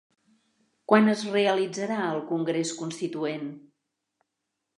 Quan es realitzarà el congrés constituent?